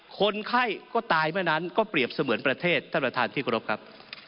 คนไข้ก็ตายเมื่อนั้นก็เปรียบเสมือนประเทศท่านประธานที่กรบครับ